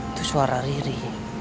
itu suara riri